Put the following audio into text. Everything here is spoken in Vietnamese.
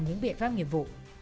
những biện pháp nghiệp vụ